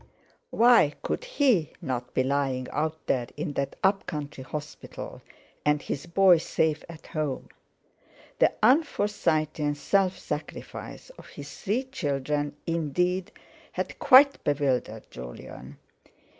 Why could he not be lying out there in that up country hospital, and his boy safe at home? The un Forsytean self sacrifice of his three children, indeed, had quite bewildered Jolyon.